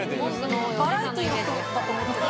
バラエティーの人だと思ってた。